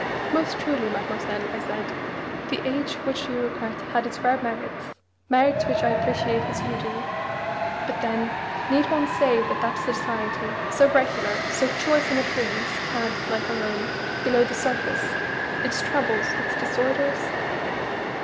"Most truly, Mademoiselle," I said, "the age which you regret had its rare merits merits which I appreciate as you do. But then, need one say that that society, so regular, so choice in appearance, had, like our own, below the surface, its troubles, its disorders?